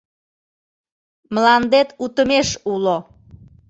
Мландет утымеш уло.